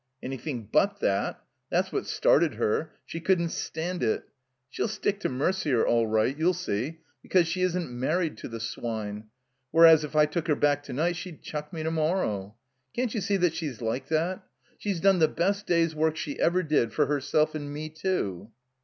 "Anjrthing but that. That's what started her. She cotddn't stand it. She'll stick to Merder all right, you'll see, because she isn't married to the swine; whereas if I took her back to night she'd chuck me to morrow. Can't you see that she's like that? She's done the best day's work she ever did for herself and me, too."